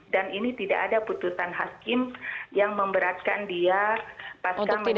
dan ini tidak ada putusan hakim yang memberatkan dia pasca menjalani hukumannya